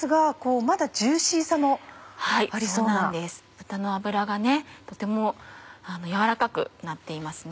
豚の脂がとても軟らかくなっていますね。